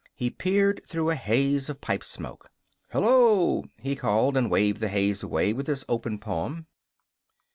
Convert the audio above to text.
He peered through a haze of pipe smoke. "Hello!" he called, and waved the haze away with his open palm.